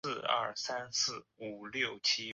毛唇美冠兰为兰科美冠兰属下的一个种。